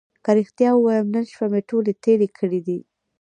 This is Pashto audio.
که رښتیا ووایم نن شپه مې ټولې تېرې کړې دي.